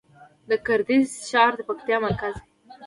د ګردیز ښار د پکتیا مرکز دی